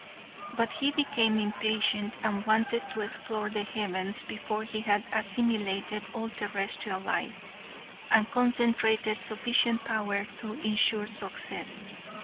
But he became impatient, and wanted to explore the heavens before he had assimilated all terrestrial life, and concentrated sufficient power to insure success.